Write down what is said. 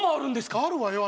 あるわよ